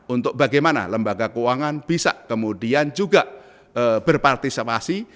untuk bagaimana lembaga keuangan bisa kemudian juga berpartisipasi